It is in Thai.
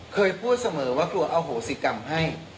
เคยพูดเสมอว่ากลัวอโหสิกรรมให้